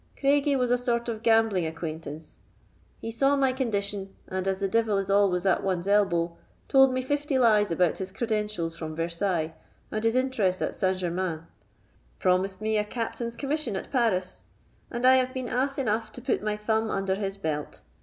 Craigie was a sort of gambling acquaintance; he saw my condition, and, as the devil is always at one's elbow, told me fifty lies about his credentials from Versailles, and his interest at Saint Germains, promised me a captain's commission at Paris, and I have been ass enough to put my thumb under his belt.